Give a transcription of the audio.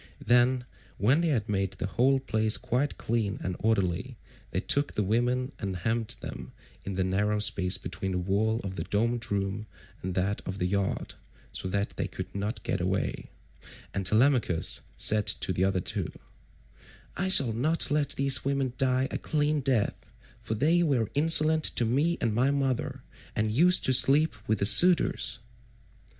Then when they had made the whole place quite clean and orderly, they took the women out and hemmed them in the narrow space between the wall of the domed room and that of the yard, so that they could not get away: and Telemachus said to the other two, "I shall not let these women die a clean death, for they were insolent to me and my mother, and used to sleep with the suitors."